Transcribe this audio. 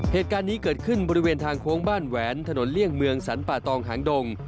เหตุการณ์นี้เกิดขึ้นบริเวณทางโค้งบ้านแหวนถนนเลี่ยงเมืองสรรป่าตองหางดง